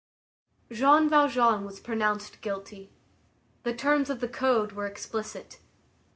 Jean Valjean was pronounced guilty. The terms of the Code were explicit.